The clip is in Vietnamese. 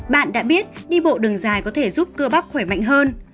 bạn đã biết đi bộ đường dài có thể giúp cưa bắp khỏe mạnh hơn